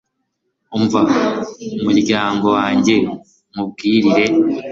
umva, muryango wanjye, nkuburire